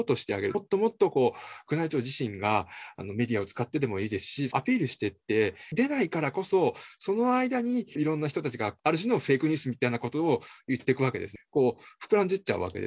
もっともっと宮内庁自身がメディアを使ってでもいいですし、アピールしていって、出ないからこそ、その間にいろんな人たちが、ある種のフェークニュースみたいなことを言っていくわけですね。